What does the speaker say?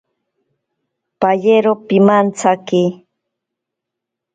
Payero pimantsaki.